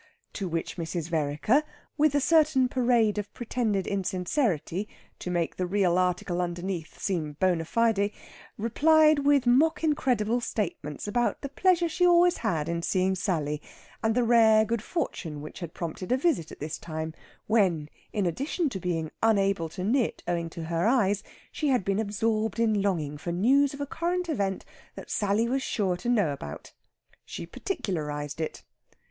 To which Mrs. Vereker, with a certain parade of pretended insincerity (to make the real article underneath seem bona fides), replied with mock incredible statements about the pleasure she always had in seeing Sally, and the rare good fortune which had prompted a visit at this time, when, in addition to being unable to knit, owing to her eyes, she had been absorbed in longing for news of a current event that Sally was sure to know about. She particularised it.